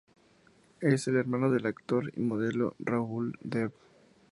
Él es hermano del actor y modelo Rahul Dev.